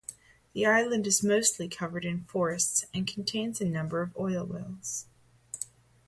The island is mostly covered in forests and contains a number of oil wells.